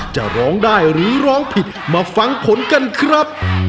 จะร้องได้หรือร้องผิดมาฟังผลกันครับ